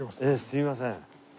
すいません。